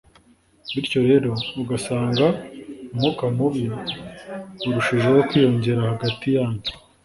bityo rero ugasanga umwuka mubi urushijeho kwiyongera hagati yanyu